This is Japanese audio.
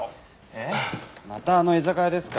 えっまたあの居酒屋ですか？